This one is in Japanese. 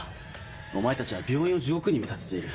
お前たちは病院を地獄に見立てている。